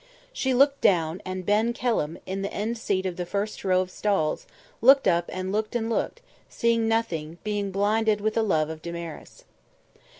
She looked down, and Ben Kelham, in the end seat of the first row of stalls, looked up and looked and looked, seeing nothing, being blinded with love of Damaris.